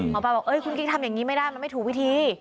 หมอปลาบอกคุณกิ๊กทำอย่างนี้ไม่ได้มันไม่ถูกวิธี